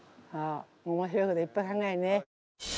面白いこといっぱい考えんね。